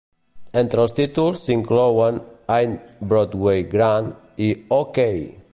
Entre els títols s"inclouen "Ain't Broadway Grand" i "Oh, Kay!